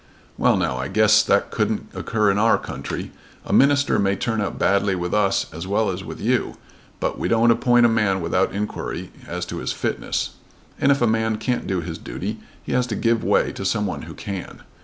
"Well now, I guess, that couldn't occur in our country. A minister may turn out badly with us as well as with you. But we don't appoint a man without inquiry as to his fitness, and if a man can't do his duty he has to give way to some one who can.